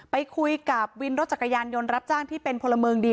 ไปคุยกับวินรถจักรยานยนต์รับจ้างที่เป็นพลเมืองดี